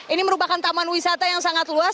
ini merupakan taman wisata yang sangat luas